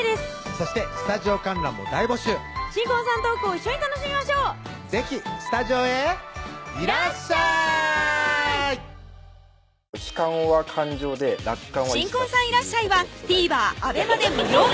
そしてスタジオ観覧も大募集新婚さんのトークを一緒に楽しみましょう是非スタジオへいらっしゃい新婚さんいらっしゃい！はＴＶｅｒ